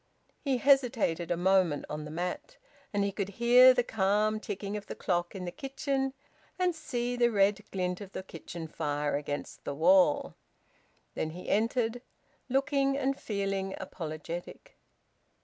He hesitated a moment on the mat, and he could hear the calm ticking of the clock in the kitchen and see the red glint of the kitchen fire against the wall. Then he entered, looking and feeling apologetic.